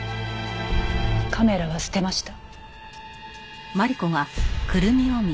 カメラは捨てました。